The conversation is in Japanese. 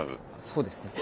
そうですね。